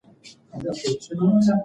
د رمه ګړندی تګ لښتې ته هیله ورکړه.